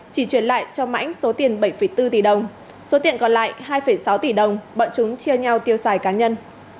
chỉ truyền lại cho mãnh số tiền bảy bốn tỷ đồng số tiền còn lại hai sáu tỷ đồng bọn chúng chia nhau tiêu xài cá nhân